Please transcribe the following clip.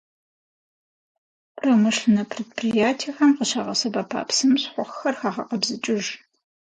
Промышленнэ предприятэхэм къыщагъэсэбэпа псым щхъухьхэр хагъэкъэбзыкӀыж.